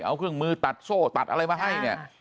เอาเครื่องมือตัดโซ่ตัดอะไรมาให้เนี่ย